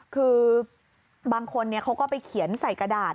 คือบางคนเขาก็ไปเขียนใส่กระดาษ